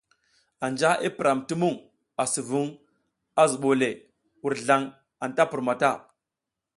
Anja i piram ti mung asi vung a zubole, wurzlang anta pur mata.